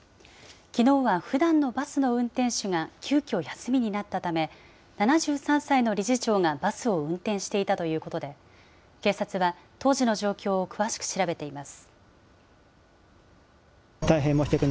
きのうはふだんのバスの運転手が急きょ休みになったため、７３歳の理事長がバスを運転していたということで、警察は当時の状大変申し訳なく思っておりま